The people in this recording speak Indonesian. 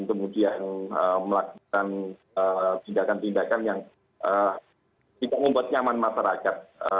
kemudian melakukan tindakan tindakan yang tidak membuat nyaman masyarakat